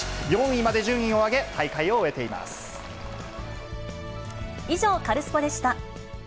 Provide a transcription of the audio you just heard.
４位まで順位を上げ、大会を終え以上、カルスポっ！でした。